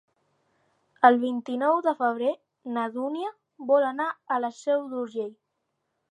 El vint-i-nou de febrer na Dúnia vol anar a la Seu d'Urgell.